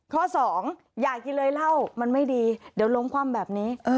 ข้อสองอยากกินเลยเหล้ามันไม่ดีเดี๋ยวล้มคว่ำแบบนี้